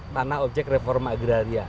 tanah objek reform agraria